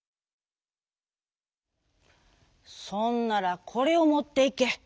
「そんならこれをもっていけ。